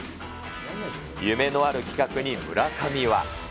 夢のある企画に村上は。